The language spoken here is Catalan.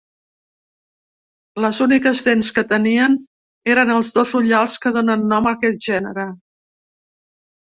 Les úniques dents que tenia eren els dos ullals que donen nom a aquest gènere.